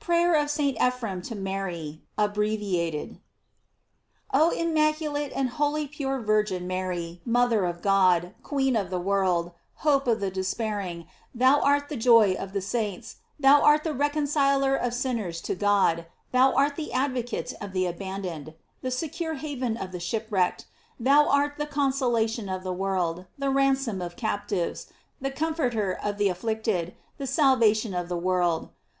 PRAYER OF ST. EPHREM TO MARY, ABBREVIATED.* OH immaculate and wholly pure Virgin Mary, mother of God, queen of the world, hope of the despairing; thou art the joy of the saints, thou art the reconciler of sinners to God, thou art the advocate of the abandoned, the secure haven of the shipwrecked; thou art the consolation of the world, the ransom of captives, the comforter of the afflicted, the aalvation of the world.